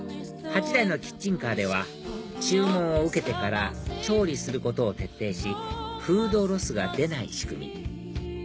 ８台のキッチンカーでは注文を受けてから調理することを徹底しフードロスが出ない仕組み